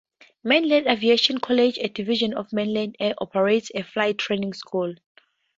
Mainland Aviation College, a division of Mainland Air, operates a flight training school.